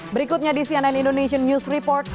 berikutnya di cnn indonesian news report